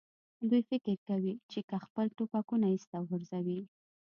دوی فکر کوي، چې که خپل ټوپکونه ایسته وغورځوي.